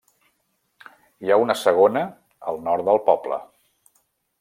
Hi ha una segona al nord del poble.